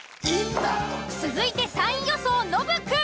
続いて３位予想ノブくん。